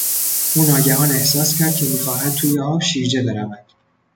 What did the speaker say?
او ناگهان احساس کرد که میخواهد توی آب شیرجه برود.